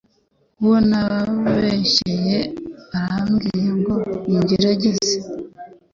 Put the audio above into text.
Uwo nabeshyeye arambwire ngo nigengesere